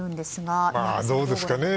どうですかね。